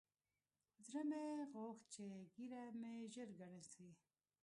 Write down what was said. زړه مې غوښت چې ږيره مې ژر گڼه سي.